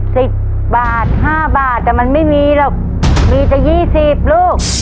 สิบบาทห้าบาทอ่ะมันไม่มีหรอกมีแต่ยี่สิบลูก